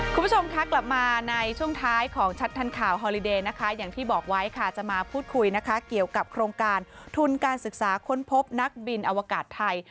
คุณผู้ชมคะกลับมาในช่วงท้ายของชัดทันข่าวฮอลิเดยนะคะอย่างที่บอกไว้ค่ะจะมาพูดคุยนะคะเกี่ยวกับโครงการทุนการศึกษาค้นพบนักบินอวกาศไทย